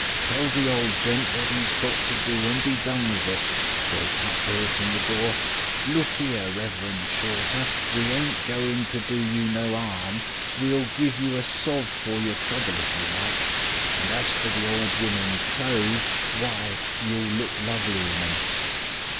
"'Tell the old gent wot 'e's got to do and be done with it,' broke out Bill from the door. 'Look 'ere, Reverend Shorter, we ain't goin' to do you no 'arm. We'll give you a sov. for your trouble if you like. And as for the old woman's clothes why, you'll look lovely in 'em.'